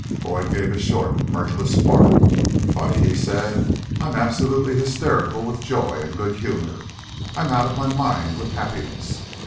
Boyd gave a short, mirthless bark. "Funny?" he said. "I'm absolutely hysterical with joy and good humor. I'm out of my mind with happiness."